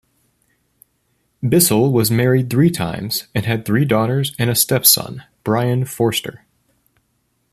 Bissell was married three times and had three daughters and a stepson, Brian Forster.